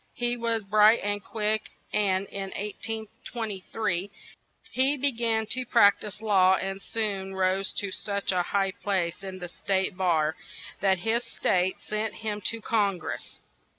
He was bright and quick, and, in 1823, he be gan to prac tise law and soon rose to such a high place in the state bar that his state sent him to Con gress.